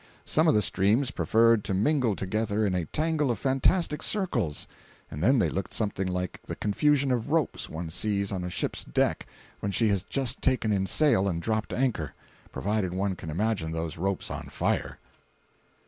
Some of the streams preferred to mingle together in a tangle of fantastic circles, and then they looked something like the confusion of ropes one sees on a ship's deck when she has just taken in sail and dropped anchor—provided one can imagine those ropes on fire.